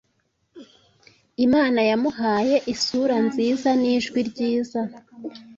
Imana yamuhaye isura nziza nijwi ryiza.